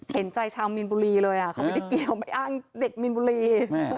เห็นใจชาวมีนบุรีเลยเขาไม่ได้เกี่ยวไม่อ้างเด็กมีนบุรี